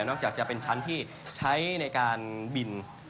อกจากจะเป็นชั้นที่ใช้ในการบิน